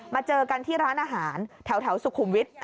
เจอกันที่ร้านอาหารแถวสุขุมวิทย์